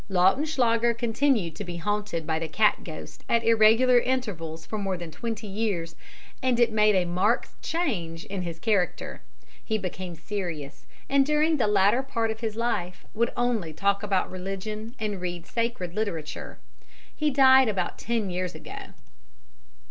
"Lautenschlager continued to be haunted by the cat ghost at irregular intervals for more than twenty years, and it made a marked change in his character. He became serious, and during the latter part of his life would only talk about religion and read sacred literature. He died about ten years ago."